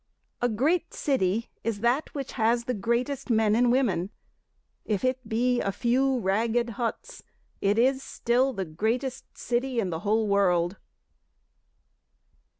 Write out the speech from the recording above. A great city is that which has the greatest men and women, If it be a few ragged huts it is still the greatest city in the whole world.